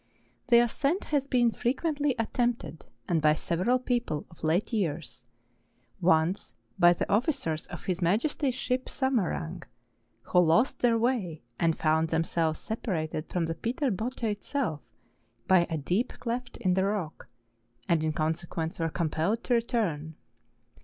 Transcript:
The ascent has been frequently attempted, and by several people, of late years: once by the officers of His Majesty's ship Samarang, who lost their way and found themselves separated from the Peter Botte itself by a deep cleft in the rock, and in con¬ sequence were compelled to return.